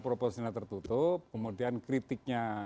proporsional tertutup kemudian kritiknya